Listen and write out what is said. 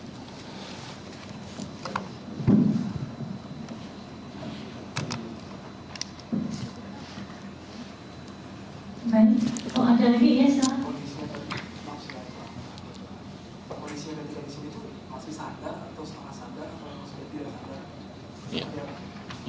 atau sama sadar atau tidak sadar